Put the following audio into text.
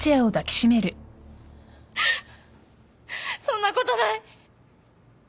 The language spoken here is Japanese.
そんなことない。